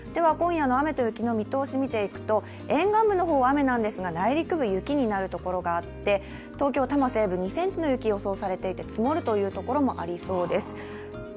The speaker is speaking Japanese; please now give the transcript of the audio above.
今夜の見通しを見ていくと、沿岸部の方は雨なんですが、内陸部、雪になるところがあって、東京・多摩西部、２ｃｍの雪が予想されていて積もるところもありそうです。